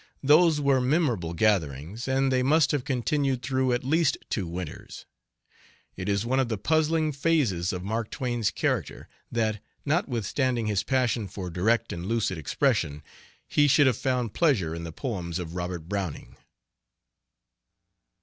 Those were memorable gatherings, and they must have continued through at least two winters. It is one of the puzzling phases of Mark Twain's character that, notwithstanding his passion for direct and lucid expression, he should have found pleasure in the poems of Robert Browning.